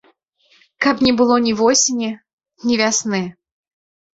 Каб не было ні восені, ні вясны.